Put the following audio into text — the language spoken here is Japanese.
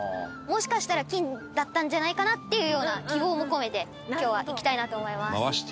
もしかしたら金だったんじゃないかなっていうような希望も込めて今日はいきたいなと思います。